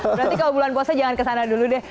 berarti kalau bulan puasa jangan ke sana dulu deh